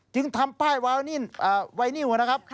จึงทำตามใบว่านิ่งไวนิ่วนะครับ